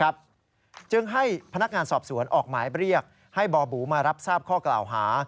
จึงให้พนักงานสอบสวนออกหมายเรียกให้บ่อบูมารับทราบข้อกล่าวหา